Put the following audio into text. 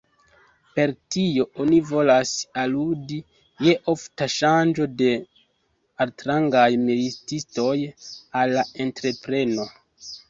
Per tio oni volas aludi je ofta ŝanĝo de altrangaj militistoj al la entrepreno.